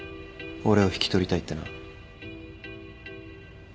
俺を引き取りたいってな。